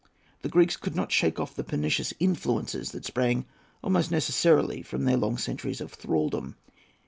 The Greeks could not shake off the pernicious influences that sprang, almost necessarily, from their long centuries of thraldom.